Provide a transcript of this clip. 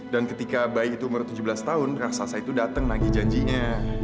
dan ketika bayi itu umur tujuh belas tahun raksasa itu datang nagih janjinya